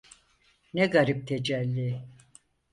Ne garip tecelli.